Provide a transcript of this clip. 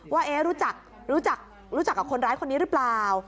ว่ารู้จักรู้จักกับคนร้ายคนนี้หรือเปล่า